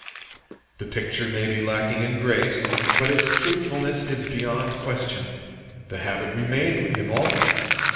The picture may be lacking in grace, but its truthfulness is beyond question. The habit remained with him always.